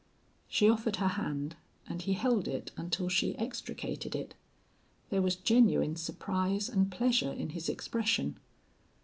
She offered her hand, and he held it until she extricated it. There was genuine surprise and pleasure in his expression.